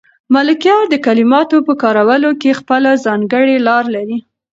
ملکیار د کلماتو په کارولو کې خپله ځانګړې لار لري.